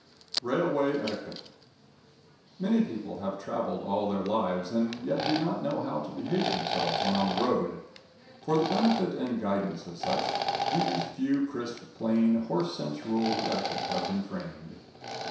Railway Etiquette. Many people have traveled all their lives and yet do not know how to behave themselves when on the road. For the benefit and guidance of such, these few crisp, plain, horse sense rules of etiquette have been framed.